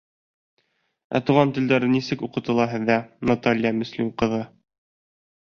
— Ә туған телдәр нисек уҡытыла һеҙҙә, Наталья Мөслим ҡыҙы?